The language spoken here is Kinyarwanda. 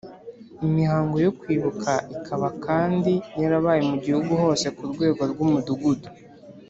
Imihango yo kwibuka ikaba kandi yarabaye mu Gihugu hose ku rwego rw Umudugudu